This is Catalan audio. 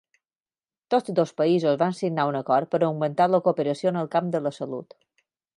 Tots dos països van signar un acord per augmentar la cooperació en el camp de la salut.